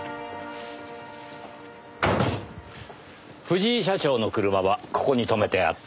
藤井社長の車はここに止めてあった。